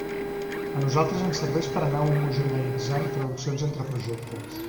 A nosaltres ens serveix per anar homogeneïtzant traduccions entre projectes.